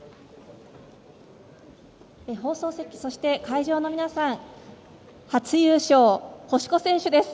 放送席、そして会場の皆さん初優勝、星子選手です。